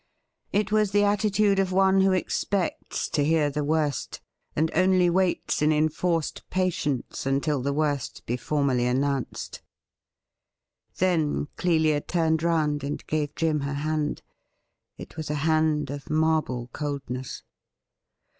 It was the attitude of one who expects to hear the worst, and only waits in enforced patience until the worst be formally annoimced. Then Clelia turned round and gave Jim her hand. It was a hand of marble coldness.